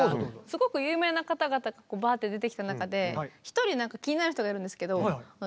すごく有名な方々がバーッて出てきた中で１人気になる人がいるんですけどあ